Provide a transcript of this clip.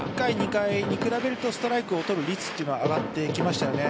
１回、２回に比べるとストライクを取る率は上がってきましたよね。